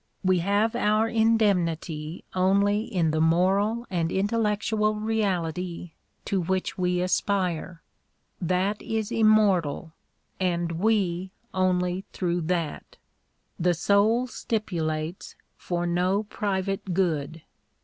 We have our indemnity only in the moral and intellectual reality to which we aspire. That is immortal, and we only through that. The soul stipulates for no private good.